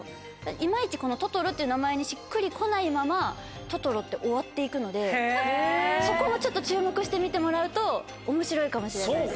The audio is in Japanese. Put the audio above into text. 今イチこのトトロっていう名前にしっくり来ないまま『トトロ』って終わって行くのでそこもちょっと注目して見てもらうと面白いかもしれないです。